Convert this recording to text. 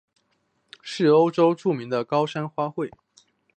是欧洲著名的高山花卉。